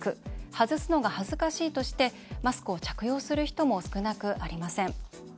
はずすのが恥ずかしいとしてマスクを着用する人も少なくありません。